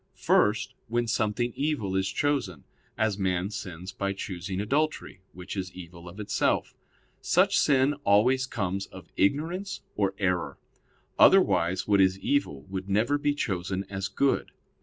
First, when something evil is chosen; as man sins by choosing adultery, which is evil of itself. Such sin always comes of ignorance or error; otherwise what is evil would never be chosen as good.